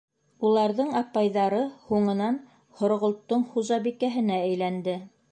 Уларҙың апайҙары һуңынан Һорғолттоң хужабикәһенә әйләнде.